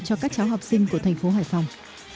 cho các cháu học sinh của thành phố hải phòng